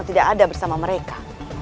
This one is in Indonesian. tidak ada bersama mereka